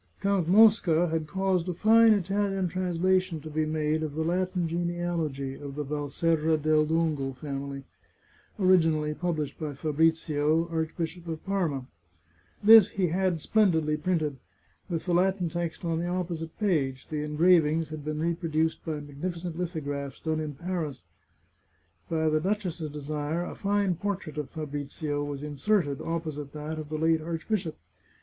Count Mosca had caused a fine Italian translation to be made of the Latin genealogy of the Valserra del Dongo family, originally published by Fabrizio, Archbishop of Parma. This he had splendidly printed, with the Latin text on the opposite page ; the engravings had been reproduced by magnificent lithographs, done in Paris. By the duchess's desire a fine portrait of Fabrizio was inserted, opposite that of the late archbishop.